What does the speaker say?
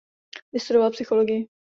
Vystudoval psychologii.